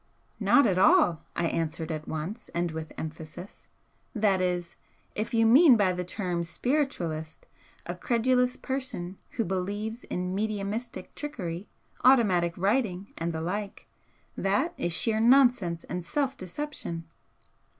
"Not at all," I answered, at once, and with emphasis. "That is, if you mean by the term 'spiritualist' a credulous person who believes in mediumistic trickery, automatic writing and the like. That is sheer nonsense and self deception."